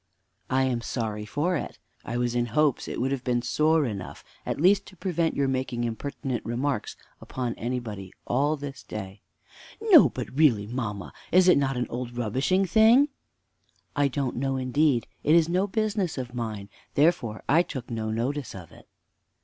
Mother. I am sorry for it: I was in hopes it would have been sore enough at least to prevent your making impertinent remarks upon anybody all this day. Fanny. No, but really, mamma, is it not an old rubbishing thing? Mother. I don't know, indeed. It is no business of mine; therefore I took no notice of it.